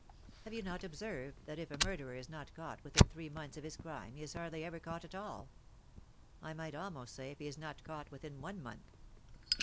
Have you not observed that if a murderer is not caught within three months of his crime he is hardly ever caught at all? I might almost say if he is not caught within one month.